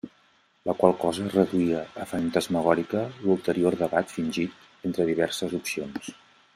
La qual cosa reduïa a fantasmagoria l'ulterior debat fingit entre diverses opcions.